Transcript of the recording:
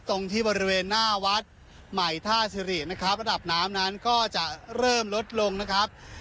ตรงที่บริเวณหน้าวัดใหม่ท่าสิรินะครับระดับน้ำนั้นก็จะเริ่มลดลงนะครับ